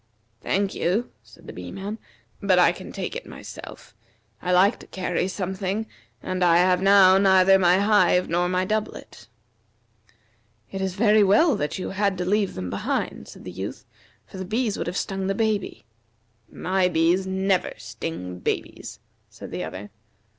"Thank you," said the Bee man, "but I can take it myself. I like to carry something, and I have now neither my hive nor my doublet." "It is very well that you had to leave them behind," said the Youth, "for the bees would have stung the baby." "My bees never sting babies," said the other.